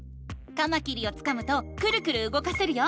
カマキリをつかむとクルクルうごかせるよ。